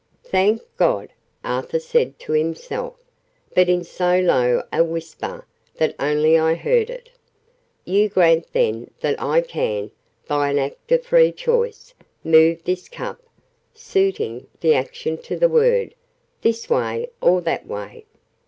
"Thank God!" Arthur said to himself, but in so low a whisper that only I heard it. "You grant then that I can, by an act of free choice, move this cup," suiting the action to the word, "this way or that way?"